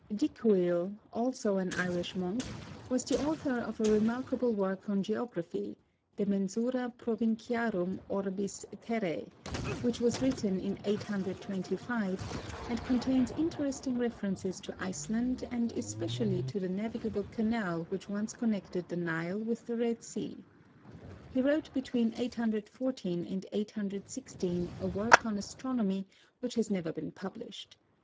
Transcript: Dicuil, also an Irish monk, was the author of a remarkable work on geography, De Mensura Provinciarum Orbis Terrae, which was written in 825, and contains interesting references to Iceland and especially to the navigable canal which once connected the Nile with the Red Sea. He wrote between 814 and 816 a work on astronomy which has never been published.